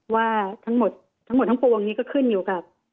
ว่าทั้งหมดทั้งพวกนี้ก็ขึ้นอยู่กับ